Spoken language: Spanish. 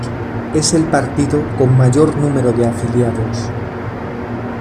Es el partido con mayor número de afiliados.